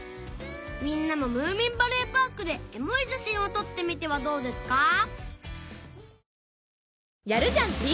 みんなもムーミンバレーパークでエモい写真を撮ってみてはどうですか？